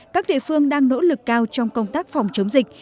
các địa phương đang nỗ lực cao trong công tác phòng chống dịch